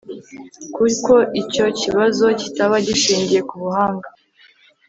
kuko icyo kibazo kitaba gishingiye ku buhanga